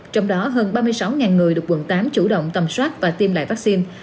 trong đó hơn ba mươi sáu người được quận tám chủ động tầm soát và tiêm lại vaccine